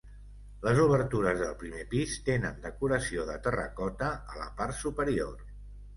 Les obertures del primer pis tenen decoració de terracota a la part superior.